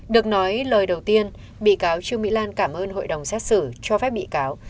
được nói lời đầu tiên bị cáo trương mỹ lan cảm ơn hội đồng xét xử cho phép bị cáo